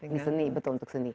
ini seni betul untuk seni